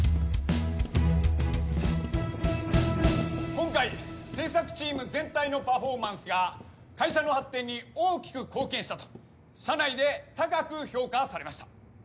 ・今回制作チーム全体のパフォーマンスが会社の発展に大きく貢献したと社内で高く評価されました。